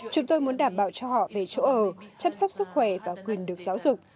chúng tôi muốn đảm bảo cho họ về chỗ ở chăm sóc sức khỏe và quyền được giáo dục